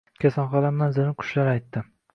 Kasalxona manzilini qushlar aytdi.